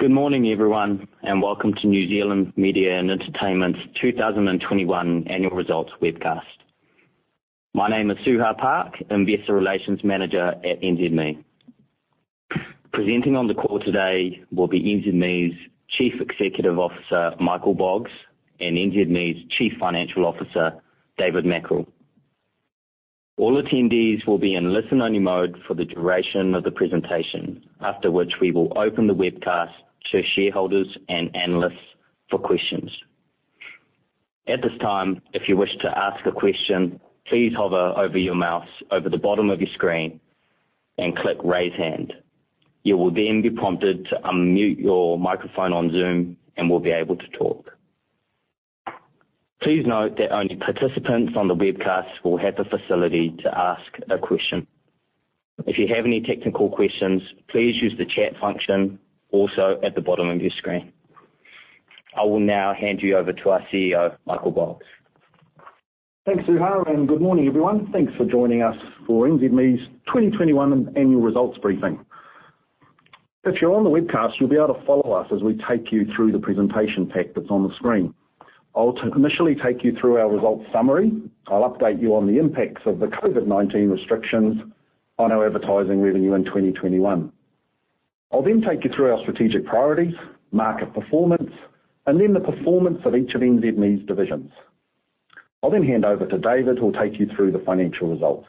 Good morning, everyone, and welcome to New Zealand Media and Entertainment's 2021 annual results webcast. My name is Suha Park, Investor Relations Manager at NZME. Presenting on the call today will be NZME's Chief Executive Officer, Michael Boggs, and NZME's Chief Financial Officer, David Mackrell. All attendees will be in listen-only mode for the duration of the presentation, after which we will open the webcast to shareholders and analysts for questions. At this time, if you wish to ask a question, please hover over your mouse over the bottom of your screen and click Raise Hand. You will then be prompted to unmute your microphone on Zoom and will be able to talk. Please note that only participants on the webcast will have the facility to ask a question. If you have any technical questions, please use the chat function also at the bottom of your screen. I will now hand you over to our CEO, Michael Boggs. Thanks, Suha, and good morning, everyone. Thanks for joining us for NZME's 2021 annual results briefing. If you're on the webcast, you'll be able to follow us as we take you through the presentation pack that's on the screen. I'll initially take you through our results summary. I'll update you on the impacts of the COVID-19 restrictions on our advertising revenue in 2021. I'll then take you through our strategic priorities, market performance, and then the performance of each of NZME's divisions. I'll then hand over to David, who'll take you through the financial results.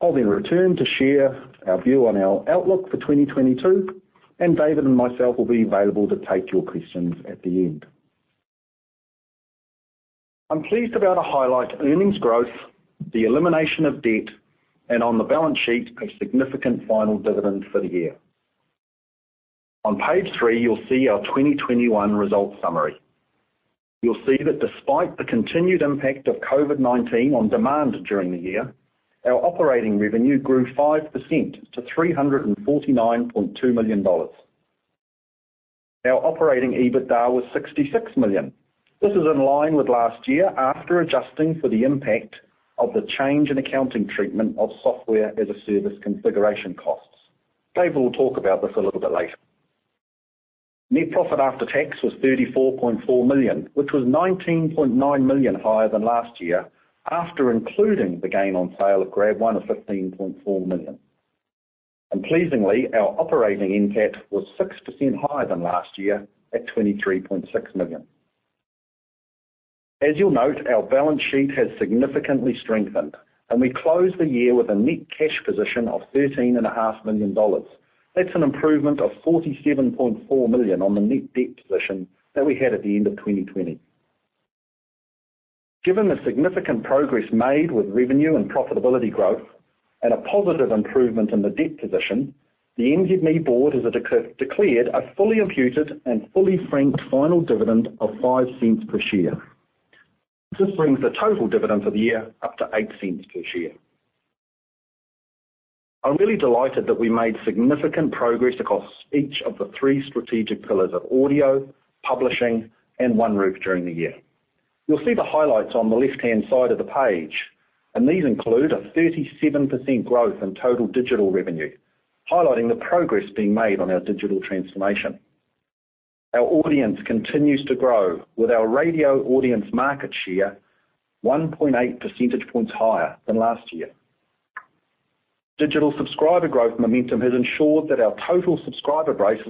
I'll then return to share our view on our outlook for 2022, and David and myself will be available to take your questions at the end. I'm pleased to be able to highlight earnings growth, the elimination of debt, and on the balance sheet, a significant final dividend for the year. On page three, you'll see our 2021 results summary. You'll see that despite the continued impact of COVID-19 on demand during the year, our operating revenue grew 5% to 349.2 million dollars. Our operating EBITDA was 66 million. This is in line with last year after adjusting for the impact of the change in accounting treatment of software as a service configuration costs. Dave will talk about this a little bit later. Net profit after tax was 34.4 million, which was 19.9 million higher than last year after including the gain on sale of GrabOne of 15.4 million. Pleasingly, our operating NPAT was 6% higher than last year at 23.6 million. As you'll note, our balance sheet has significantly strengthened, and we closed the year with a net cash position of 13.5 million dollars. That's an improvement of 47.4 million on the net debt position that we had at the end of 2020. Given the significant progress made with revenue and profitability growth and a positive improvement in the debt position, the NZME board has declared a fully imputed and fully franked final dividend of 0.05 per share. This brings the total dividend for the year up to 0.08 per share. I'm really delighted that we made significant progress across each of the three strategic pillars of audio, publishing, and OneRoof during the year. You'll see the highlights on the left-hand side of the page, and these include a 37% growth in total digital revenue, highlighting the progress being made on our digital transformation. Our audience continues to grow with our radio audience market share 1.8 percentage points higher than last year. Digital subscriber growth momentum has ensured that our total subscriber base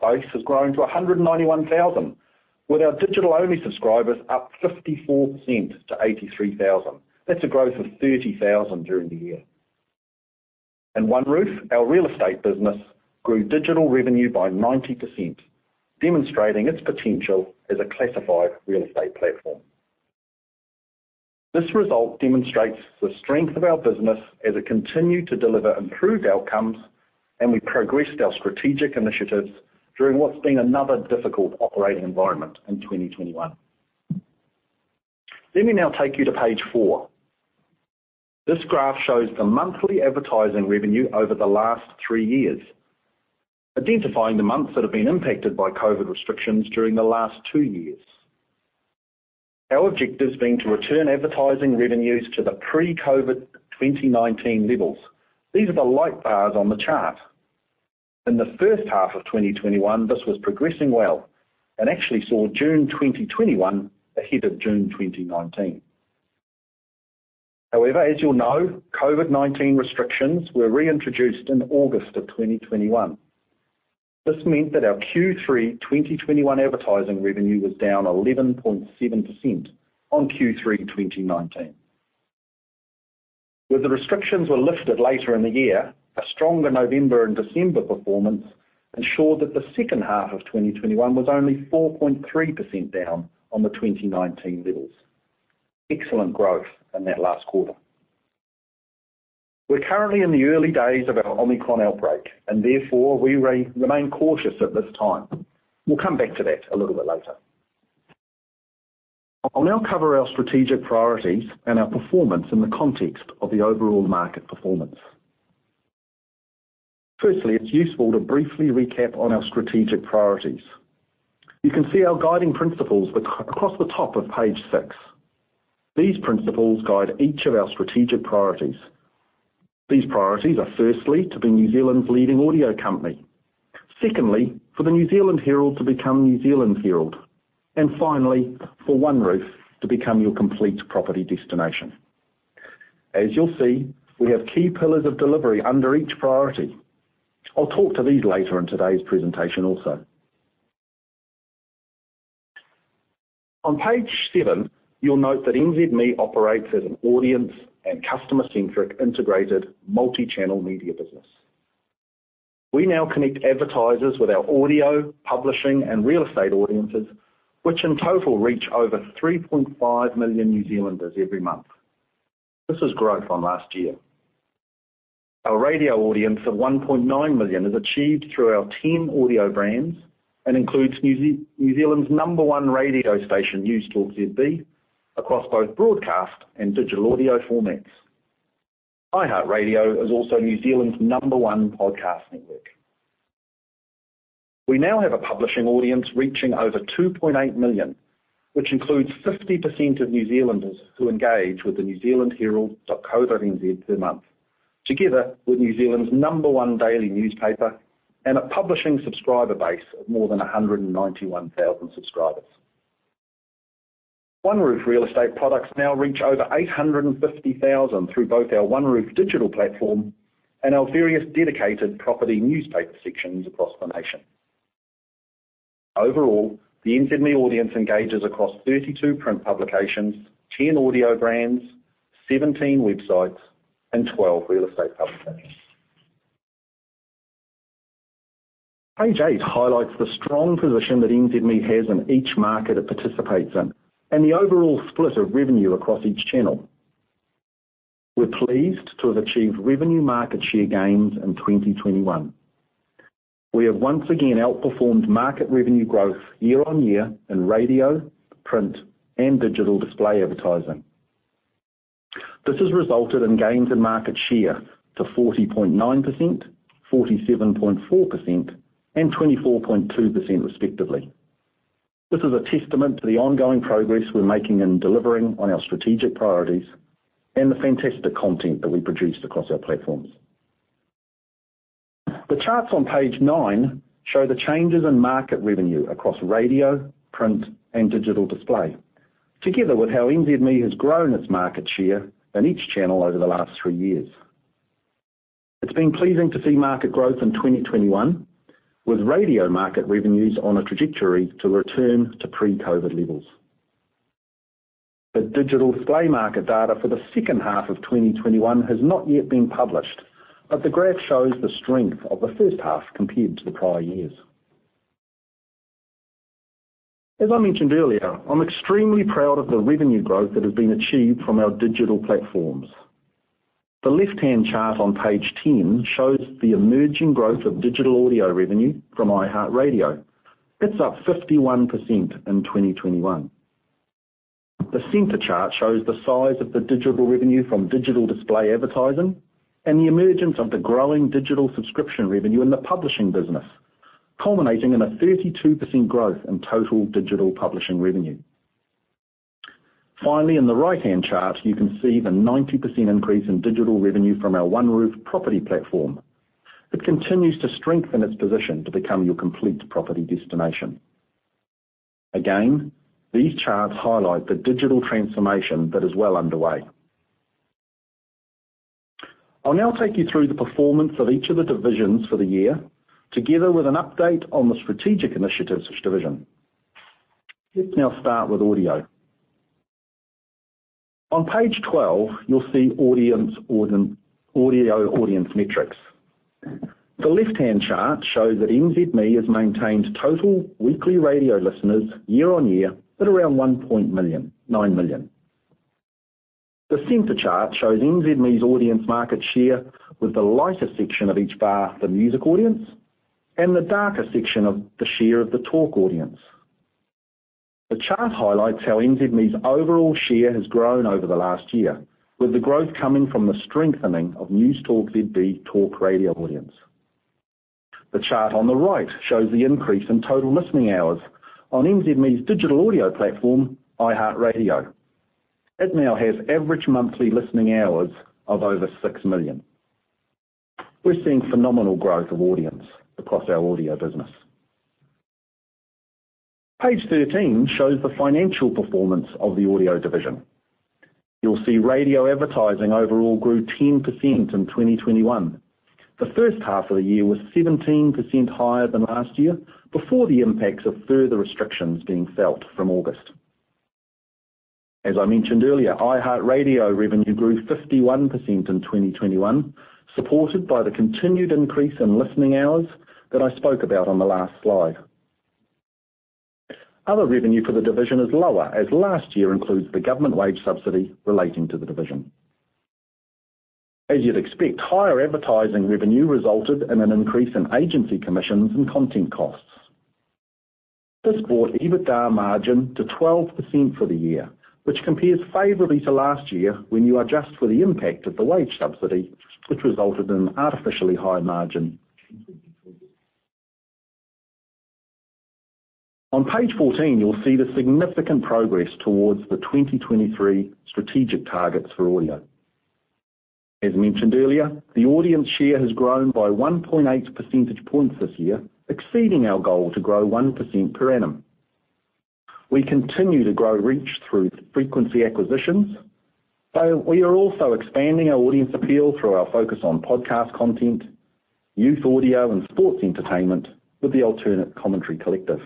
has grown to 191,000, with our digital-only subscribers up 54% to 83,000. That's a growth of 30,000 during the year. In OneRoof, our real estate business grew digital revenue by 90%, demonstrating its potential as a classified real estate platform. This result demonstrates the strength of our business as it continued to deliver improved outcomes, and we progressed our strategic initiatives during what's been another difficult operating environment in 2021. Let me now take you to page four. This graph shows the monthly advertising revenue over the last three years, identifying the months that have been impacted by COVID restrictions during the last two years. Our objective's been to return advertising revenues to the pre-COVID 2019 levels. These are the light bars on the chart. In the first half of 2021, this was progressing well and actually saw June 2021 ahead of June 2019. However, as you'll know, COVID-19 restrictions were reintroduced in August of 2021. This meant that our Q3 2021 advertising revenue was down 11.7% on Q3 2019. When the restrictions were lifted later in the year, a stronger November and December performance ensured that the second half of 2021 was only 4.3% down on the 2019 levels. Excellent growth in that last quarter. We're currently in the early days of our Omicron outbreak and therefore we remain cautious at this time. We'll come back to that a little bit later. I'll now cover our strategic priorities and our performance in the context of the overall market performance. Firstly, it's useful to briefly recap on our strategic priorities. You can see our guiding principles across the top of page six. These principles guide each of our strategic priorities. These priorities are firstly, to be New Zealand's leading audio company. Secondly, for the New Zealand Herald to become New Zealand's Herald. And finally, for OneRoof to become your complete property destination. As you'll see, we have key pillars of delivery under each priority. I'll talk to these later in today's presentation also. On page seven, you'll note that NZME operates as an audience and customer-centric integrated multi-channel media business. We now connect advertisers with our audio, publishing, and real estate audiences, which in total reach over 3.5 million New Zealanders every month. This was growth on last year. Our radio audience of 1.9 million is achieved through our team audio brands and includes New Zealand's number one radio station, Newstalk ZB, across both broadcast and digital audio formats. iHeartRadio is also New Zealand's number one podcast network. We now have a publishing audience reaching over 2.8 million, which includes 50% of New Zealanders who engage with thenewzealandherald.co.nz per month, together with New Zealand's number one daily newspaper and a publishing subscriber base of more than 191,000 subscribers. OneRoof real estate products now reach over 850,000 through both our OneRoof digital platform and our various dedicated property newspaper sections across the nation. Overall, the NZME audience engages across 32 print publications, 10 audio brands, 17 websites, and 12 real estate publications. Page eight highlights the strong position that NZME has in each market it participates in, and the overall split of revenue across each channel. We're pleased to have achieved revenue market share gains in 2021. We have once again outperformed market revenue growth year on year in radio, print, and digital display advertising. This has resulted in gains in market share to 40.9%, 47.4%, and 24.2% respectively. This is a testament to the ongoing progress we're making in delivering on our strategic priorities and the fantastic content that we produced across our platforms. The charts on page 9 show the changes in market revenue across radio, print, and digital display, together with how NZME has grown its market share in each channel over the last three years. It's been pleasing to see market growth in 2021, with radio market revenues on a trajectory to return to pre-COVID levels. The digital display market data for the second half of 2021 has not yet been published, but the graph shows the strength of the first half compared to the prior years. As I mentioned earlier, I'm extremely proud of the revenue growth that has been achieved from our digital platforms. The left-hand chart on page 10 shows the emerging growth of digital audio revenue from iHeartRadio. It's up 51% in 2021. The center chart shows the size of the digital revenue from digital display advertising and the emergence of the growing digital subscription revenue in the publishing business, culminating in a 32% growth in total digital publishing revenue. Finally, in the right-hand chart, you can see the 90% increase in digital revenue from our OneRoof property platform. It continues to strengthen its position to become your complete property destination. Again, these charts highlight the digital transformation that is well underway. I'll now take you through the performance of each of the divisions for the year, together with an update on the strategic initiatives for each division. Let's now start with audio. On page 12, you'll see audio audience metrics. The left-hand chart shows that NZME has maintained total weekly radio listeners year-over-year at around 1.9 million. The center chart shows NZME's audience market share with the lighter section of each bar, the music audience, and the darker section of the share of the talk audience. The chart highlights how NZME's overall share has grown over the last year, with the growth coming from the strengthening of Newstalk ZB talk radio audience. The chart on the right shows the increase in total listening hours on NZME's digital audio platform, iHeartRadio. It now has average monthly listening hours of over six million. We're seeing phenomenal growth of audience across our audio business. Page 13 shows the financial performance of the audio division. You'll see radio advertising overall grew 10% in 2021. The first half of the year was 17% higher than last year before the impacts of further restrictions being felt from August. As I mentioned earlier, iHeartRadio revenue grew 51% in 2021, supported by the continued increase in listening hours that I spoke about on the last slide. Other revenue for the division is lower, as last year includes the government wage subsidy relating to the division. As you'd expect, higher advertising revenue resulted in an increase in agency commissions and content costs. This brought EBITDA margin to 12% for the year, which compares favorably to last year when you adjust for the impact of the wage subsidy, which resulted in an artificially high margin. On page 14, you'll see the significant progress towards the 2023 strategic targets for audio. As mentioned earlier, the audience share has grown by 1.8 percentage points this year, exceeding our goal to grow 1% per annum. We continue to grow reach through frequency acquisitions, but we are also expanding our audience appeal through our focus on podcast content, youth audio, and sports entertainment with the Alternative Commentary Collective.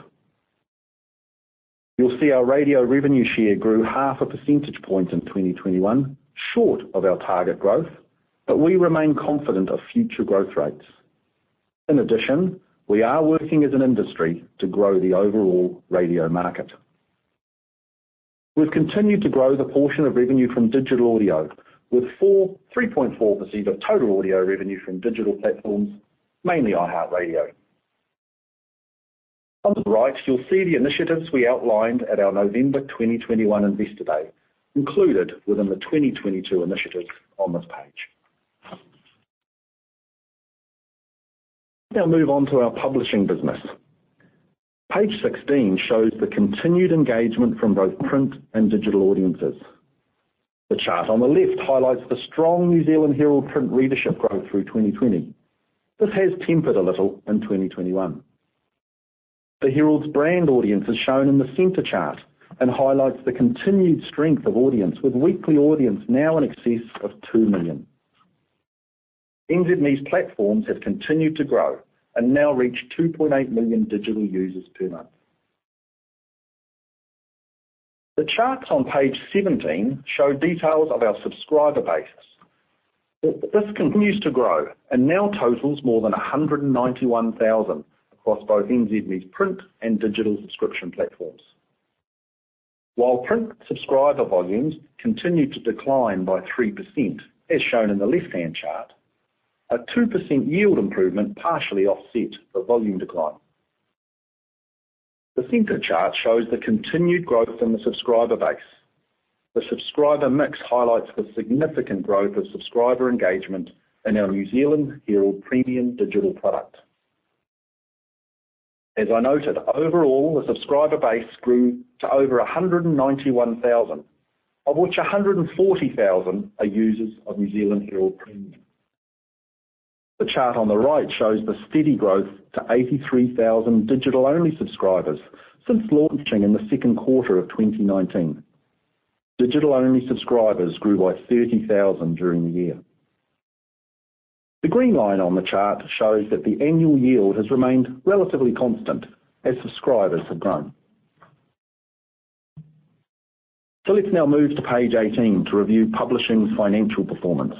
You'll see our radio revenue share grew half a percentage point in 2021, short of our target growth, but we remain confident of future growth rates. In addition, we are working as an industry to grow the overall radio market. We've continued to grow the portion of revenue from digital audio with 3.4% of total audio revenue from digital platforms, mainly iHeartRadio. On the right, you'll see the initiatives we outlined at our November 2021 Investor Day included within the 2022 initiatives on this page. Let's now move on to our publishing business. Page 16 shows the continued engagement from both print and digital audiences. The chart on the left highlights the strong New Zealand Herald print readership growth through 2020. This has tempered a little in 2021. The Herald's brand audience is shown in the center chart and highlights the continued strength of audience with weekly audience now in excess of two million. NZME's platforms have continued to grow and now reach 2.8 million digital users per month. The charts on page 17 show details of our subscriber base. This continues to grow and now totals more than 191,000 across both NZME's print and digital subscription platforms. While print subscriber volumes continued to decline by 3%, as shown in the left-hand chart, a 2% yield improvement partially offset the volume decline. The center chart shows the continued growth in the subscriber base. The subscriber mix highlights the significant growth of subscriber engagement in our New Zealand Herald Premium digital product. As I noted, overall, the subscriber base grew to over 191,000, of which 140,000 are users of New Zealand Herald Premium. The chart on the right shows the steady growth to 83,000 digital-only subscribers since launching in the second quarter of 2019. Digital-only subscribers grew by 30,000 during the year. The green line on the chart shows that the annual yield has remained relatively constant as subscribers have grown. Let's now move to page 18 to review publishing's financial performance.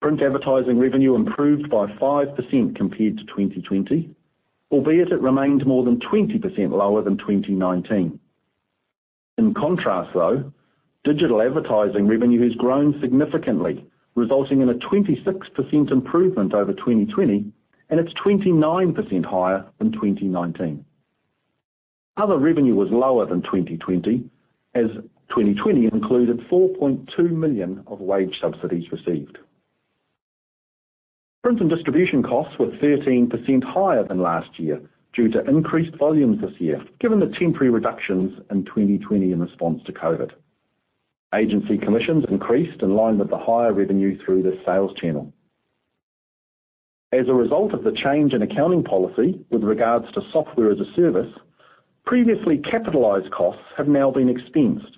Print advertising revenue improved by 5% compared to 2020, albeit it remained more than 20% lower than 2019. In contrast, though, digital advertising revenue has grown significantly, resulting in a 26% improvement over 2020, and it's 29% higher than 2019. Other revenue was lower than 2020 as 2020 included 4.2 million of wage subsidies received. Print and distribution costs were 13% higher than last year due to increased volumes this year, given the temporary reductions in 2020 in response to COVID. Agency commissions increased in line with the higher revenue through this sales channel. As a result of the change in accounting policy with regards to software as a service, previously capitalized costs have now been expensed.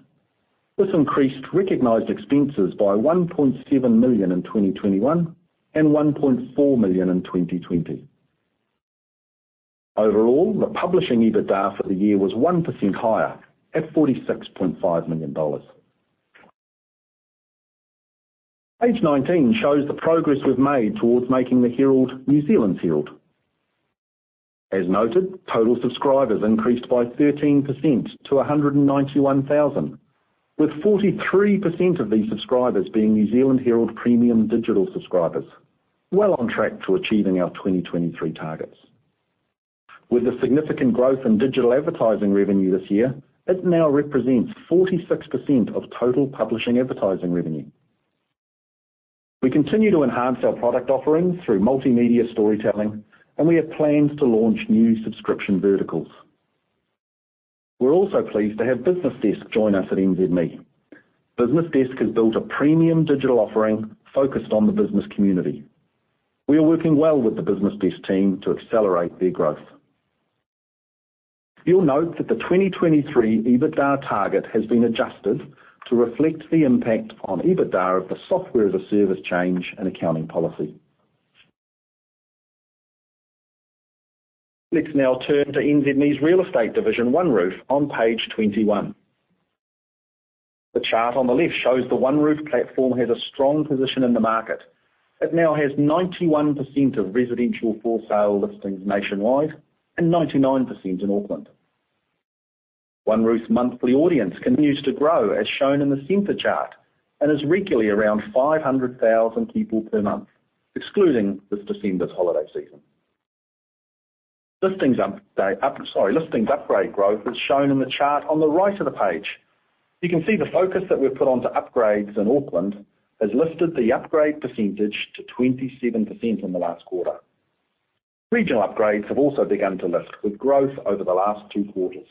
This increased recognized expenses by 1.7 million in 2021, and 1.4 million in 2020. Overall, the publishing EBITDA for the year was 1% higher at 46.5 million dollars. Page nineteen shows the progress we've made towards making the Herald New Zealand's Herald. As noted, total subscribers increased by 13% to 191,000, with 43% of these subscribers being NZ Herald Premium digital subscribers, well on track to achieving our 2023 targets. With the significant growth in digital advertising revenue this year, it now represents 46% of total publishing advertising revenue. We continue to enhance our product offerings through multimedia storytelling, and we have plans to launch new subscription verticals. We're also pleased to have BusinessDesk join us at NZME. BusinessDesk has built a premium digital offering focused on the business community. We are working well with the BusinessDesk team to accelerate their growth. You'll note that the 2023 EBITDA target has been adjusted to reflect the impact on EBITDA of the software as a service change in accounting policy. Let's now turn to NZME's real estate division, OneRoof, on page 21. The chart on the left shows the OneRoof platform has a strong position in the market. It now has 91% of residential for sale listings nationwide and 99% in Auckland. OneRoof's monthly audience continues to grow as shown in the center chart and is regularly around 500,000 people per month, excluding this December's holiday season. Listings upgrade growth is shown in the chart on the right of the page. You can see the focus that we've put onto upgrades in Auckland has lifted the upgrade percentage to 27% in the last quarter. Regional upgrades have also begun to lift, with growth over the last two quarters.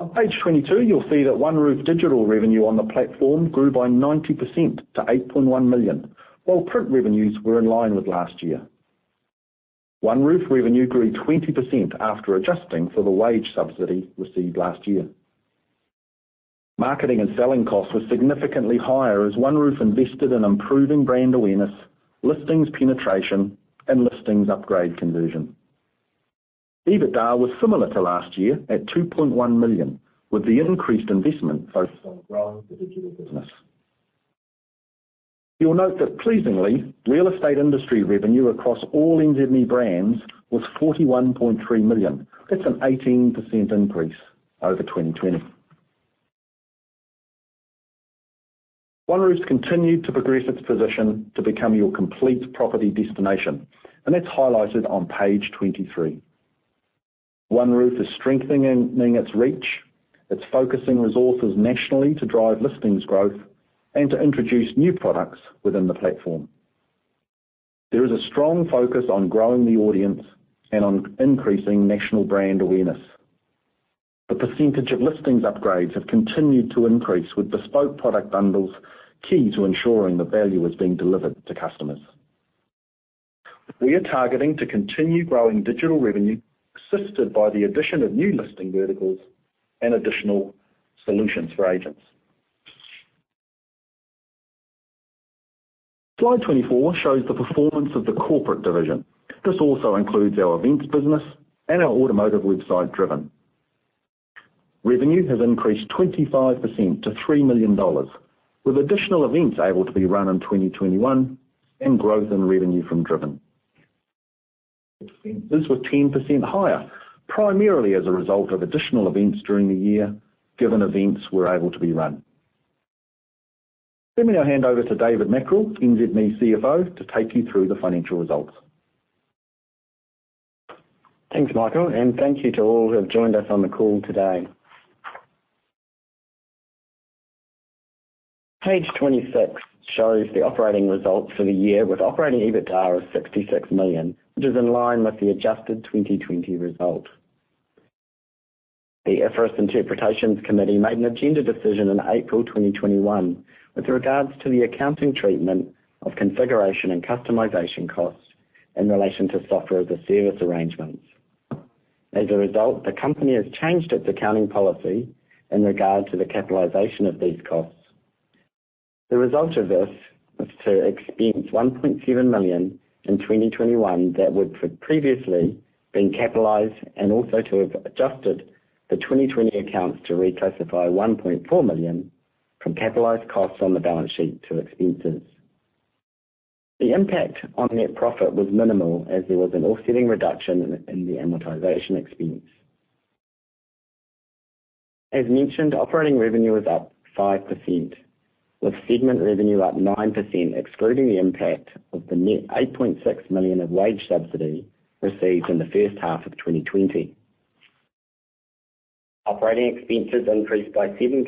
On page 22, you'll see that OneRoof digital revenue on the platform grew by 90% to 8.1 million, while print revenues were in line with last year. OneRoof revenue grew 20% after adjusting for the wage subsidy received last year. Marketing and selling costs were significantly higher as OneRoof invested in improving brand awareness, listings penetration, and listings upgrade conversion. EBITDA was similar to last year at 2.1 million, with the increased investment focused on growing the digital business. You'll note that pleasingly, real estate industry revenue across all NZME brands was 41.3 million. That's an 18% increase over 2020. OneRoof has continued to progress its position to become your complete property destination, and that's highlighted on page 23. OneRoof is strengthening its reach. It's focusing resources nationally to drive listings growth and to introduce new products within the platform. There is a strong focus on growing the audience and on increasing national brand awareness. The percentage of listings upgrades have continued to increase, with bespoke product bundles key to ensuring that value is being delivered to customers. We are targeting to continue growing digital revenue, assisted by the addition of new listing verticals and additional solutions for agents. Slide 24 shows the performance of the corporate division. This also includes our events business and our automotive website, Driven. Revenue has increased 25% to 3 million dollars, with additional events able to be run in 2021 and growth in revenue from Driven. Expenses were 10% higher, primarily as a result of additional events during the year, given events were able to be run. Let me now hand over to David Mackrell, NZME CFO, to take you through the financial results. Thanks, Michael, and thank you to all who have joined us on the call today. Page 26 shows the operating results for the year with operating EBITDA of 66 million, which is in line with the adjusted 2020 result. The IFRS interpretations committee made an agenda decision in April 2021 with regards to the accounting treatment of configuration and customization costs in relation to software as a service arrangement. As a result, the company has changed its accounting policy in regard to the capitalization of these costs. The result of this was to expense 1.7 million in 2021 that would have previously been capitalized and also to have adjusted the 2020 accounts to reclassify 1.4 million from capitalized costs on the balance sheet to expenses. The impact on net profit was minimal, as there was an offsetting reduction in the amortization expense. As mentioned, operating revenue is up 5%, with segment revenue up 9%, excluding the impact of the net 8.6 million of wage subsidy received in the first half of 2020. Operating expenses increased by 7%,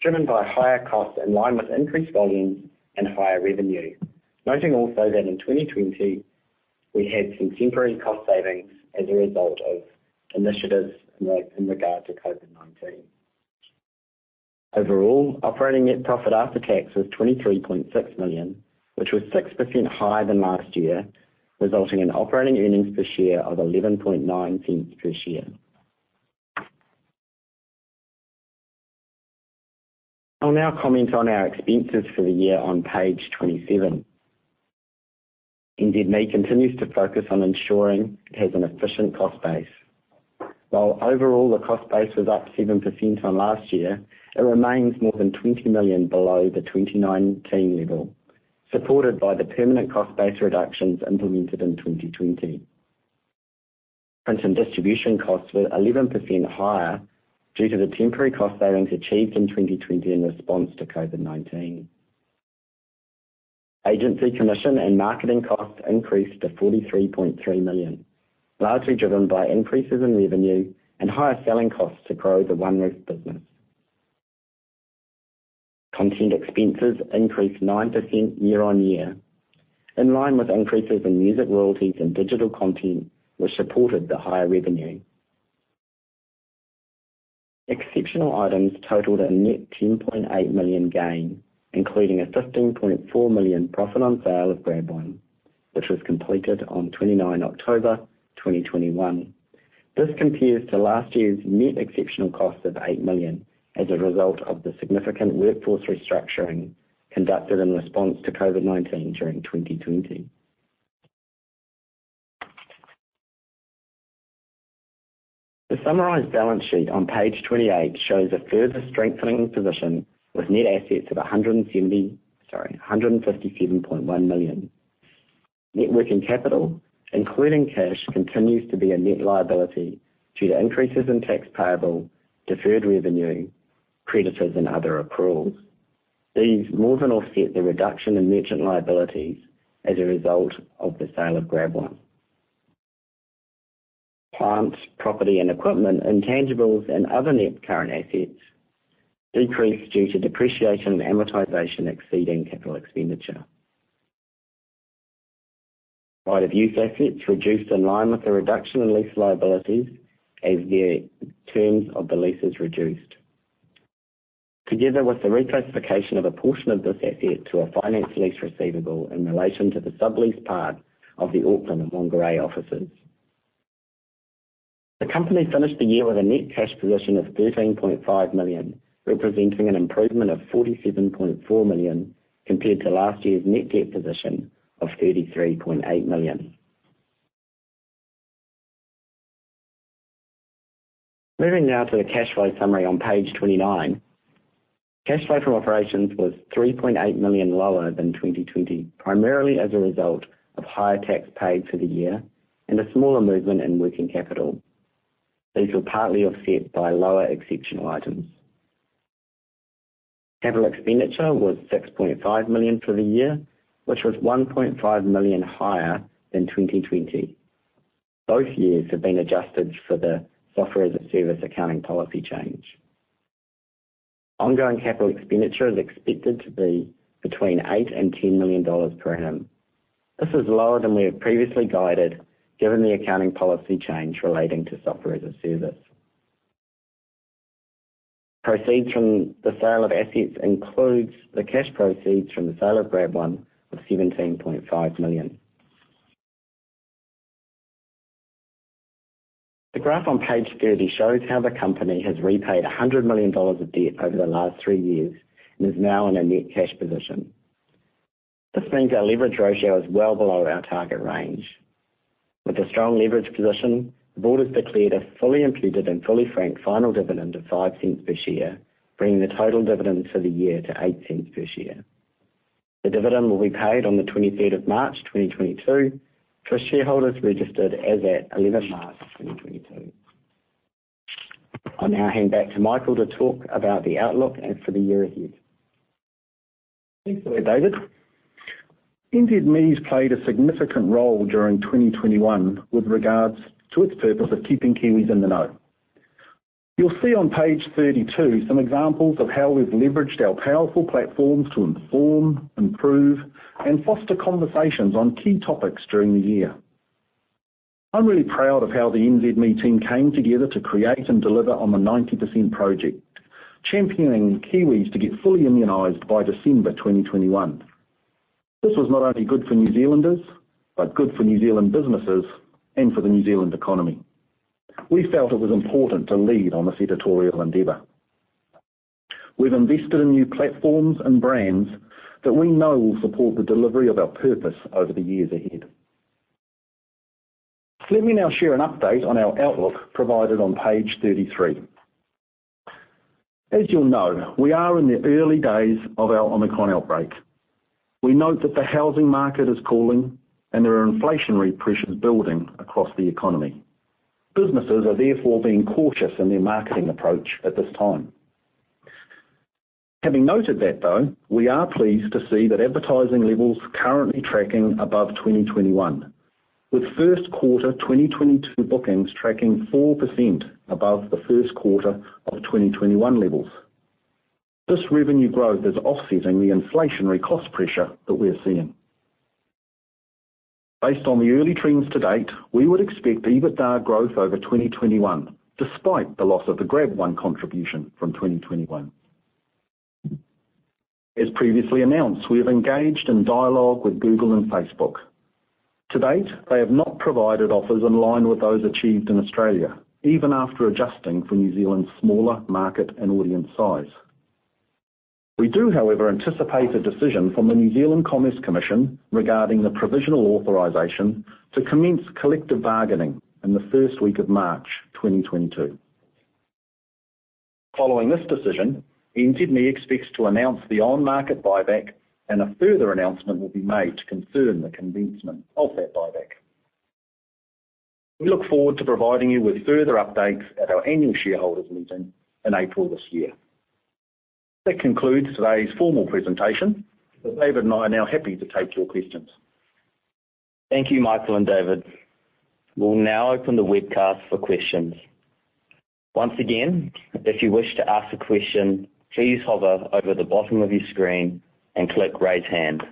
driven by higher costs in line with increased volumes and higher revenue, noting also that in 2020 we had some temporary cost savings as a result of initiatives in regard to COVID-19. Overall, operating net profit after tax was 23.6 million, which was 6% higher than last year, resulting in operating earnings per share of 0.119 per share. I'll now comment on our expenses for the year on page 27. NZME continues to focus on ensuring it has an efficient cost base. While overall, the cost base was up 7% on last year, it remains more than 20 million below the 2019 level, supported by the permanent cost base reductions implemented in 2020. Printing distribution costs were 11% higher due to the temporary cost savings achieved in 2020 in response to COVID-19. Agency commission and marketing costs increased to 43.3 million, largely driven by increases in revenue and higher selling costs to grow the OneRoof business. Content expenses increased 9% year-on-year, in line with increases in music royalties and digital content, which supported the higher revenue. Exceptional items totaled a net 10.8 million gain, including a 15.4 million profit on sale of GrabOne, which was completed on 29 October 2021. This compares to last year's net exceptional cost of 8 million as a result of the significant workforce restructuring conducted in response to COVID-19 during 2020. The summarized balance sheet on page 28 shows a further strengthening position with net assets of 157.1 million. Net working capital, including cash, continues to be a net liability due to increases in tax payable, deferred revenue, creditors, and other accruals. These more than offset the reduction in merchant liabilities as a result of the sale of GrabOne. Plant, property and equipment, intangibles and other net current assets decreased due to depreciation and amortization exceeding capital expenditure. Right of use assets reduced in line with the reduction in lease liabilities as the terms of the leases reduced. Together with the reclassification of a portion of this asset to a finance lease receivable in relation to the subleased part of the Auckland and Whangarei offices. The company finished the year with a net cash position of 13.5 million, representing an improvement of 47.4 million compared to last year's net debt position of 33.8 million. Moving now to the cash flow summary on page 29. Cash flow from operations was 3.8 million lower than 2020, primarily as a result of higher tax paid for the year and a smaller movement in working capital. These were partly offset by lower exceptional items. Capital expenditure was 6.5 million for the year, which was 1.5 million higher than 2020. Both years have been adjusted for the software as a service accounting policy change. Ongoing capital expenditure is expected to be between 8 million and 10 million dollars per annum. This is lower than we have previously guided, given the accounting policy change relating to software as a service. Proceeds from the sale of assets includes the cash proceeds from the sale of GrabOne of 17.5 million. The graph on page 30 shows how the company has repaid 100 million dollars of debt over the last three years and is now in a net cash position. This means our leverage ratio is well below our target range. With a strong leverage position, the board has declared a fully imputed and fully franked final dividend of 0.05 per share, bringing the total dividend for the year to 0.08 per share. The dividend will be paid on the 23rd of March, 2022, for shareholders registered as at eleventh March 2022. I'll now hand back to Michael to talk about the outlook and for the year ahead. Thanks for it, David. NZME's played a significant role during 2021 with regards to its purpose of keeping Kiwis in the know. You'll see on page 32 some examples of how we've leveraged our powerful platforms to inform, improve and foster conversations on key topics during the year. I'm really proud of how the NZME team came together to create and deliver on the 90% Project, championing Kiwis to get fully immunized by December 2021. This was not only good for New Zealanders, but good for New Zealand businesses and for the New Zealand economy. We felt it was important to lead on this editorial endeavor. We've invested in new platforms and brands that we know will support the delivery of our purpose over the years ahead. Let me now share an update on our outlook provided on page 33. As you'll know, we are in the early days of our Omicron outbreak. We note that the housing market is cooling and there are inflationary pressures building across the economy. Businesses are therefore being cautious in their marketing approach at this time. Having noted that, though, we are pleased to see that advertising levels currently tracking above 2021, with first quarter 2022 bookings tracking 4% above the first quarter of 2021 levels. This revenue growth is offsetting the inflationary cost pressure that we're seeing. Based on the early trends to date, we would expect EBITDA growth over 2021, despite the loss of the GrabOne contribution from 2021. As previously announced, we have engaged in dialogue with Google and Facebook. To date, they have not provided offers in line with those achieved in Australia, even after adjusting for New Zealand's smaller market and audience size. We do, however, anticipate a decision from the New Zealand Commerce Commission regarding the provisional authorization to commence collective bargaining in the first week of March 2022. Following this decision, NZME expects to announce the on-market buyback and a further announcement will be made to confirm the commencement of that buyback. We look forward to providing you with further updates at our annual shareholders' meeting in April this year. That concludes today's formal presentation, as David and I are now happy to take your questions. Thank you, Michael and David. We'll now open the webcast for questions. Once again, if you wish to ask a question, please hover over the bottom of your screen and click Raise Hand.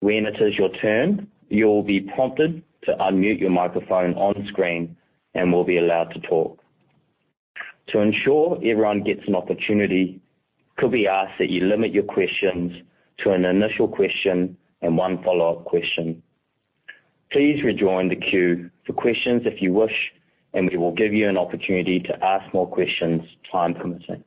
When it is your turn, you will be prompted to unmute your microphone on screen and will be allowed to talk. To ensure everyone gets an opportunity, could we ask that you limit your questions to an initial question and one follow-up question? Please rejoin the queue for questions if you wish, and we will give you an opportunity to ask more questions, time permitting.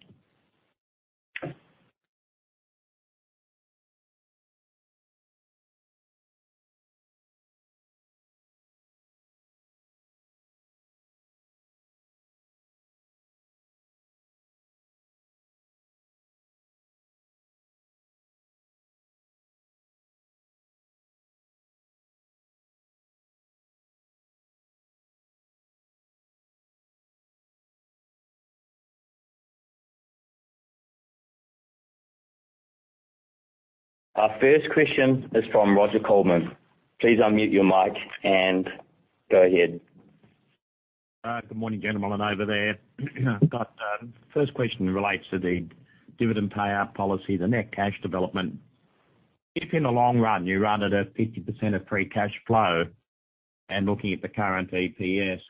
Our first question is from Roger Coleman. Please unmute your mic and go ahead. Good morning, gentlemen, over there. First question relates to the dividend payout policy, the net cash development. If in the long run, you run at a 50% of free cash flow, and looking at the current EPS,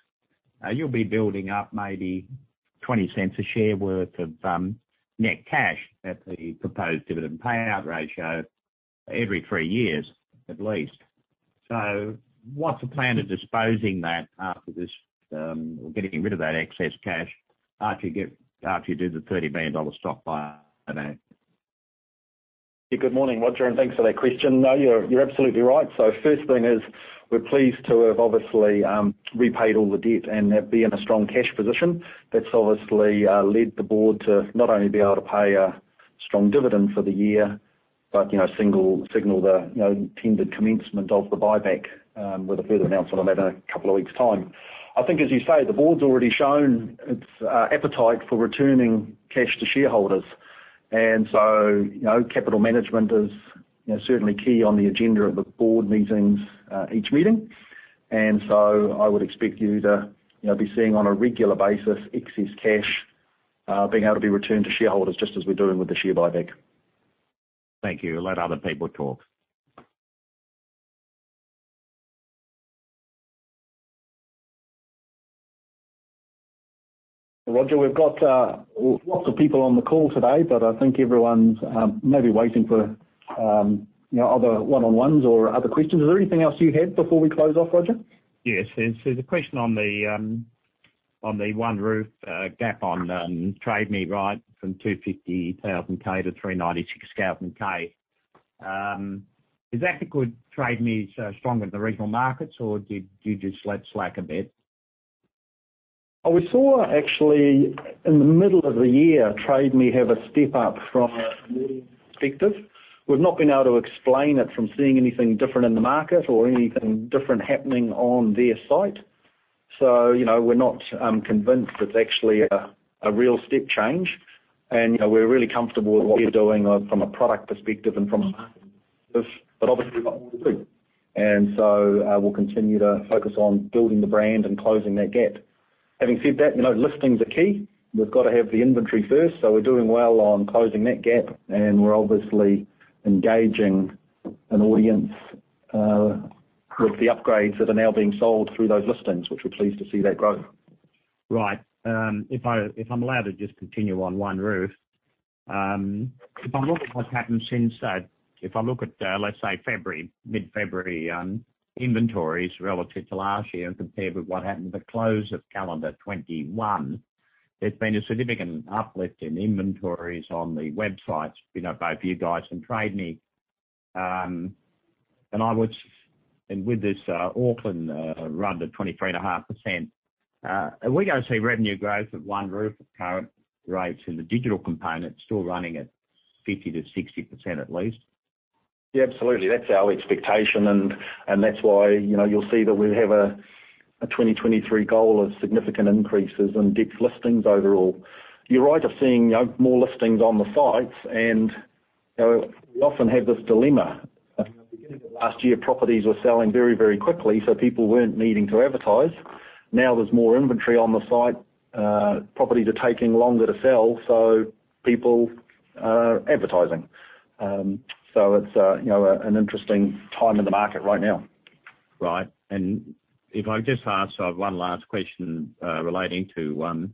you'll be building up maybe 0.20 a share worth of net cash at the proposed dividend payout ratio every 3 years, at least. What's the plan of disposing that after this, getting rid of that excess cash after you do the 30 million dollar stock buyback? Good morning, Roger, and thanks for that question. No, you're absolutely right. First thing is, we're pleased to have obviously repaid all the debt and be in a strong cash position. That's obviously led the board to not only be able to pay a strong dividend for the year but, you know, signal the, you know, intended commencement of the buyback, with a further announcement on that in a couple of weeks' time. I think as you say, the board's already shown its appetite for returning cash to shareholders. You know, capital management is, you know, certainly key on the agenda of the board meetings, each meeting. I would expect you to, you know, be seeing on a regular basis excess cash, being able to be returned to shareholders just as we're doing with the share buyback. Thank you. I'll let other people talk. Roger, we've got lots of people on the call today, but I think everyone's maybe waiting for you know, other one-on-ones or other questions. Is there anything else you had before we close off, Roger? Yes. There's a question on the OneRoof gap on Trade Me right from 250,000-396,000. Is that because Trade Me is stronger than the regional markets or did you just let slack a bit? We saw actually in the middle of the year, Trade Me have a step up from a volume perspective. We've not been able to explain it from seeing anything different in the market or anything different happening on their site. You know, we're not convinced it's actually a real step change. You know, we're really comfortable with what we're doing from a product perspective and from a marketing perspective, but obviously we've got more to do. We'll continue to focus on building the brand and closing that gap. Having said that, you know, listings are key. We've gotta have the inventory first, so we're doing well on closing that gap, and we're obviously engaging an audience with the upgrades that are now being sold through those listings, which we're pleased to see that growth. Right. If I'm allowed to just continue on OneRoof, if I look at what's happened since that, let's say mid-February, inventories relative to last year and compare with what happened at the close of calendar 2021, there's been a significant uplift in inventories on the websites, you know, both you guys and Trade Me. With this, Auckland run to 23.5%, are we gonna see revenue growth at OneRoof at current rates in the digital component still running at 50%-60% at least? Yeah, absolutely. That's our expectation and that's why, you know, you'll see that we have a 2023 goal of significant increases in depth listings overall. You're right in seeing, you know, more listings on the sites and, you know, we often have this dilemma. You know, beginning of last year, properties were selling very, very quickly, so people weren't needing to advertise. Now there's more inventory on the site. Properties are taking longer to sell, so people are advertising. So it's, you know, an interesting time in the market right now. Right. If I just ask one last question relating to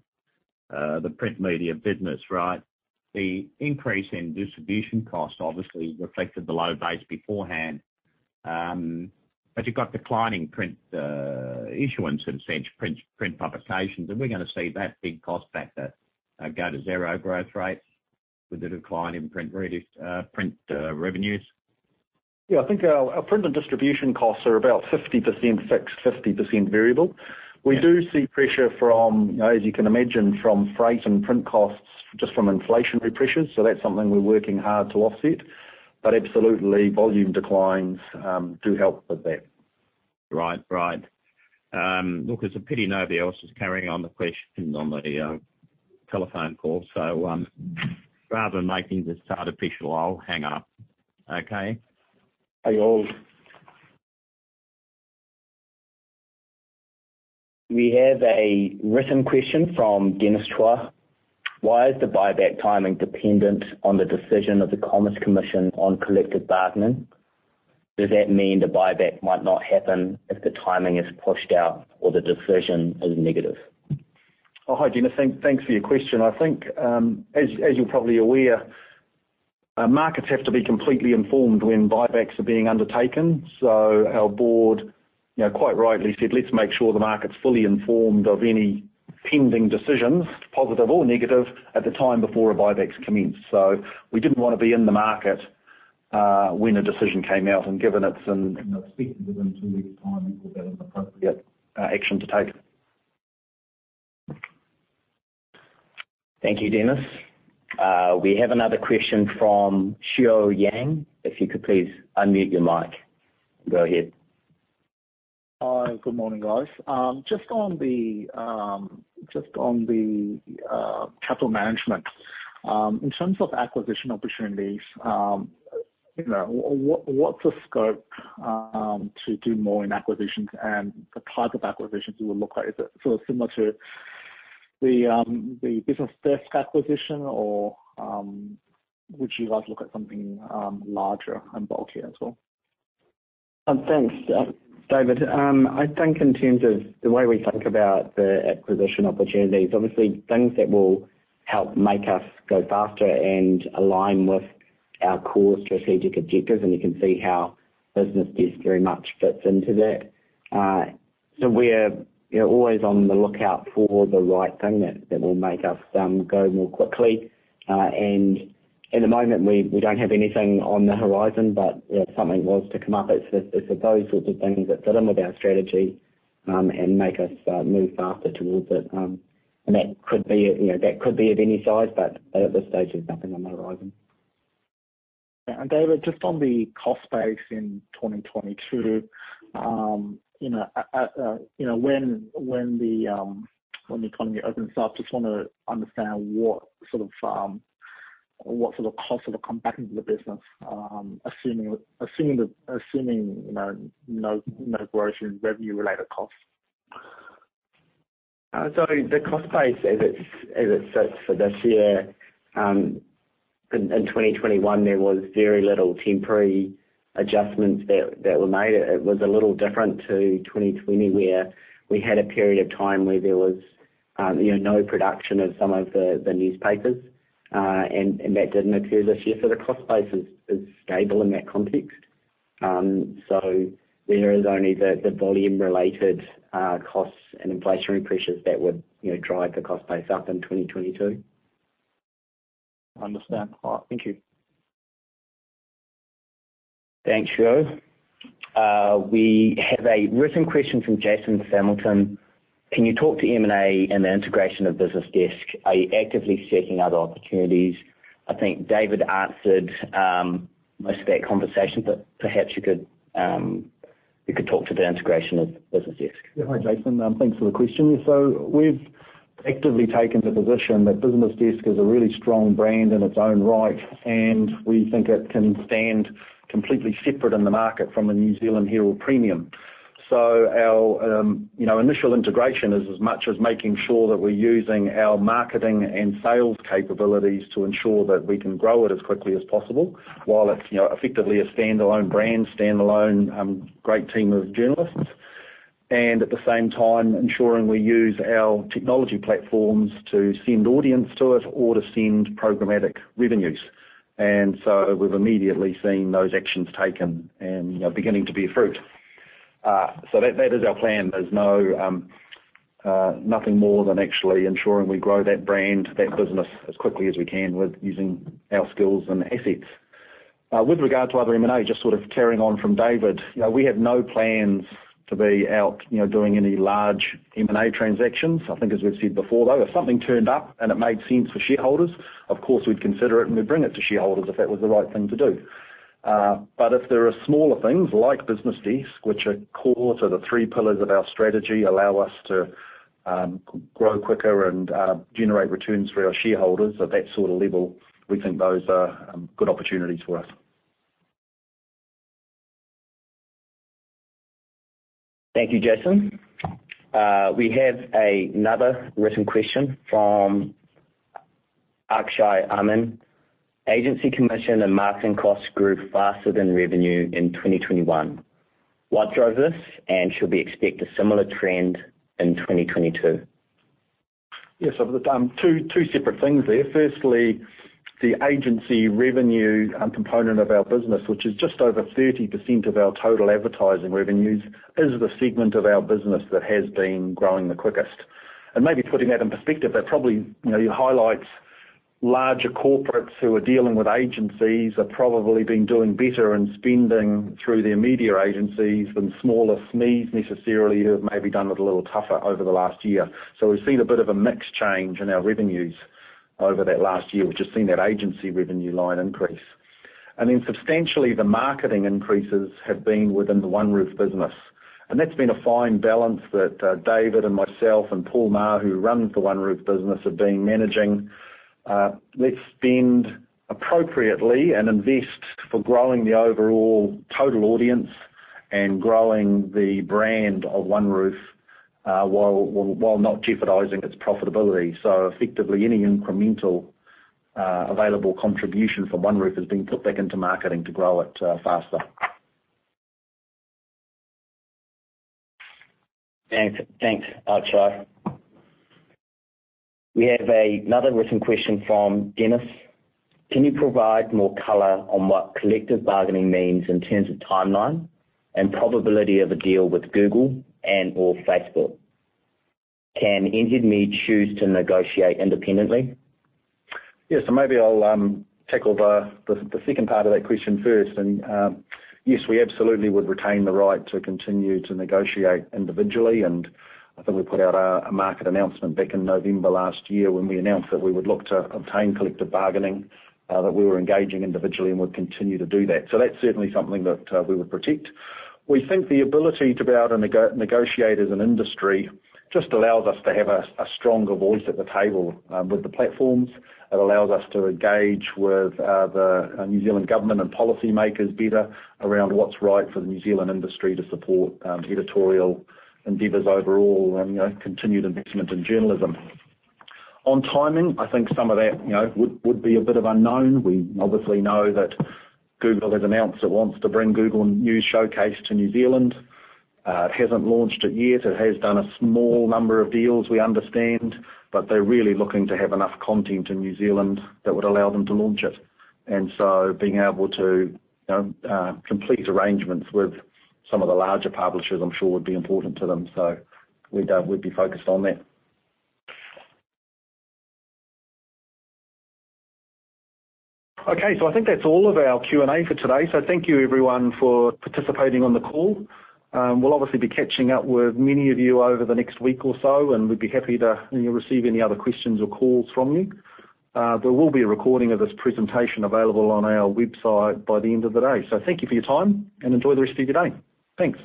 the print media business, right? The increase in distribution costs obviously reflected the low base beforehand. You've got declining print issuance of, say, print publications. Are we gonna see that big cost factor go to zero growth rates with the decline in print revenues? Yeah. I think, our print and distribution costs are about 50% fixed, 50% variable. Yeah. We do see pressure from, you know, as you can imagine, from freight and print costs just from inflationary pressures, so that's something we're working hard to offset. Absolutely, volume declines do help with that. Right. Look, it's a pity nobody else is carrying on the questions on the telephone call. Rather than making this artificial, I'll hang up. Okay? Okay. We have a written question from Dennis Chua. Why is the buyback timing dependent on the decision of the Commerce Commission on collective bargaining? Does that mean the buyback might not happen if the timing is pushed out or the decision is negative? Oh, hi, Dennis. Thanks for your question. I think, as you're probably aware, markets have to be completely informed when buybacks are being undertaken. Our board, you know, quite rightly said, "Let's make sure the market's fully informed of any pending decisions, positive or negative, at the time before a buyback's commenced." We didn't wanna be in the market when a decision came out, and given it's expected within two weeks' time, we thought that an appropriate action to take. Thank you, Dennis. We have another question from Shuo Yang. If you could please unmute your mic. Go ahead. Good morning, guys. Just on the capital management. In terms of acquisition opportunities, you know, what's the scope to do more in acquisitions and the type of acquisitions you will look at? Is it sort of similar to the BusinessDesk acquisition or would you guys look at something larger and bulkier as well? Thanks, Shuo. This is David. I think in terms of the way we think about the acquisition opportunities, obviously things that will help make us go faster and align with our core strategic objectives, and you can see how BusinessDesk very much fits into that. We're, you know, always on the lookout for the right thing that will make us go more quickly. At the moment, we don't have anything on the horizon, but if something was to come up, it's those sorts of things that fit in with our strategy and make us move faster towards it. That could be, you know, that could be of any size, but at this stage there's nothing on the horizon. David, just on the cost base in 2022. You know, you know, when the economy opens up, just wanna understand what sort of costs sort of come back into the business, assuming you know, no growth in revenue-related costs. The cost base as it's, as it sits for this year, in 2021 there was very little temporary adjustments that were made. It was a little different to 2020 where we had a period of time where there was you know no production of some of the newspapers and that didn't occur this year. The cost base is stable in that context. There is only the volume-related costs and inflationary pressures that would you know drive the cost base up in 2022. Understand. All right. Thank you. Thanks, Shuo. We have a written question from Jason Hamilton. Can you talk to M&A and the integration of BusinessDesk? Are you actively seeking other opportunities? I think David answered most of that conversation, but perhaps you could talk to the integration of BusinessDesk. Yeah. Hi, Jason. Thanks for the question. We've actively taken the position that BusinessDesk is a really strong brand in its own right, and we think it can stand completely separate in the market from the New Zealand Herald Premium. Our you know initial integration is as much as making sure that we're using our marketing and sales capabilities to ensure that we can grow it as quickly as possible while it's you know effectively a standalone brand, standalone great team of journalists. At the same time ensuring we use our technology platforms to send audience to it or to send programmatic revenues. We've immediately seen those actions taken and you know beginning to bear fruit. That is our plan. There's no nothing more than actually ensuring we grow that brand, that business as quickly as we can with using our skills and assets. With regard to other M&A, just sort of carrying on from David, you know, we have no plans to be out, you know, doing any large M&A transactions. I think as we've said before, though, if something turned up and it made sense for shareholders, of course, we'd consider it, and we'd bring it to shareholders if that was the right thing to do. If there are smaller things like BusinessDesk, which are core to the three pillars of our strategy, allow us to grow quicker and generate returns for our shareholders at that sort of level, we think those are good opportunities for us. Thank you, Jason. We have another written question from Akshai Aman. Agency commission and marketing costs grew faster than revenue in 2021. What drove this, and should we expect a similar trend in 2022? Yes. There's two separate things there. Firstly, the agency revenue component of our business, which is just over 30% of our total advertising revenues, is the segment of our business that has been growing the quickest. Maybe putting that in perspective, that probably, you know, highlights larger corporates who are dealing with agencies have probably been doing better and spending through their media agencies than smaller SMEs necessarily who have maybe done it a little tougher over the last year. We've seen a bit of a mix change in our revenues over that last year. We've just seen that agency revenue line increase. Then substantially the marketing increases have been within the OneRoof business. That's been a fine balance that David and myself and Paul Maher, who runs the OneRoof business, have been managing. Let's spend appropriately and invest for growing the overall total audience and growing the brand of OneRoof, while not jeopardizing its profitability. Effectively any incremental available contribution from OneRoof has been put back into marketing to grow it faster. Thanks. Thanks, Akshai. We have another written question from Dennis. Can you provide more color on what collective bargaining means in terms of timeline and probability of a deal with Google and/or Facebook? Can NZME choose to negotiate independently? Yeah. Maybe I'll tackle the second part of that question first. Yes, we absolutely would retain the right to continue to negotiate individually, and I think we put out a market announcement back in November last year when we announced that we would look to obtain collective bargaining that we were engaging individually and would continue to do that. That's certainly something that we would protect. We think the ability to be able to negotiate as an industry just allows us to have a stronger voice at the table with the platforms. It allows us to engage with the New Zealand government and policymakers better around what's right for the New Zealand industry to support editorial endeavors overall and, you know, continued investment in journalism. On timing, I think some of that, you know, would be a bit of unknown. We obviously know that Google has announced it wants to bring Google News Showcase to New Zealand. It hasn't launched it yet. It has done a small number of deals, we understand, but they're really looking to have enough content in New Zealand that would allow them to launch it. Being able to complete arrangements with some of the larger publishers I'm sure would be important to them. We'd be focused on that. Okay. I think that's all of our Q&A for today. Thank you everyone for participating on the call. We'll obviously be catching up with many of you over the next week or so, and we'd be happy to, you know, receive any other questions or calls from you. There will be a recording of this presentation available on our website by the end of the day. Thank you for your time, and enjoy the rest of your day. Thanks.